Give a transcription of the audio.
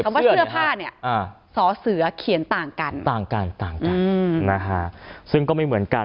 ส่วนขวาจอเป็นลายมือของครูเอ็มซึ่งไม่เหมือนกัน